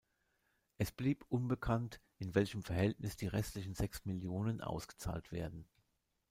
Es blieb unbekannt, in welchem Verhältnis die restlichen sechs Millionen ausgezahlt werden.